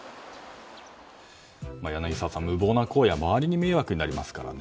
柳澤さん、無謀な行為は周りの迷惑になりますからね。